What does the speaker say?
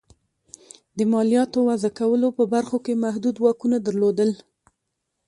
د مالیاتو وضعه کولو په برخو کې محدود واکونه درلودل.